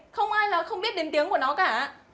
không ai là không biết đến tiếng của nó cả